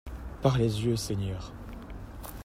Par les yeux, Seigneur!